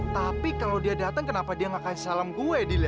tapi kalau dia datang kenapa dia nggak kasih salam gue